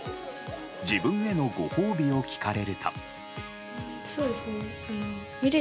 自分へのご褒美を聞かれると。